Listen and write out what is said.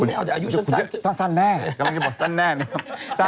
ไม่เอาแต่อายุสั้นถ้าสั้นแน่กำลังจะบอกสั้นแน่นะครับ